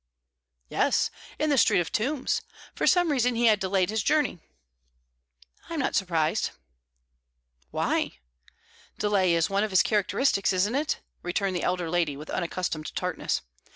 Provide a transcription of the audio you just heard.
"Yes; in the Street of Tombs. For some reason, he had delayed on his journey." "I'm not surprised." "Why?" "Delay is one of his characteristics, isn't it?" returned the elder lady, with unaccustomed tartness.